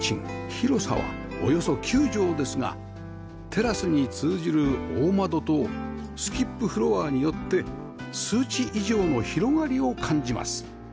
広さはおよそ９畳ですがテラスに通じる大窓とスキップフロアによって数値以上の広がりを感じます